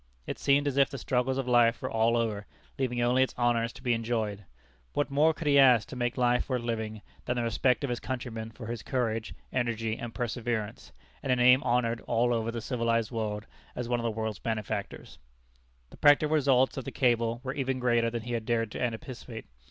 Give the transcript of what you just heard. It seemed as if the struggles of life were all over, leaving only its honors to be enjoyed. What more could he ask to make life worth living than the respect of his countrymen for his courage, energy and perseverance, and a name honored all over the civilized world as one of the world's benefactors? The practical results of the cable were even greater than he had dared to anticipate.